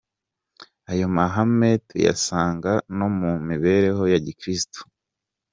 Ayo mahame tuyasanga no mu mibereho ya gikristu.